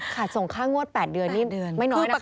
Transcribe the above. ส่งค่างวด๘เดือนนี่เดือนไม่น้อยนะคะ